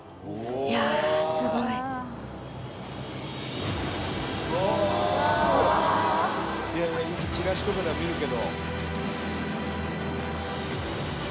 「いやいやよくチラシとかでは見るけど」